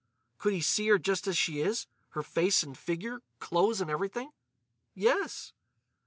"Could he see her just as she is? Her face and figure—clothes and everything?" "Yes."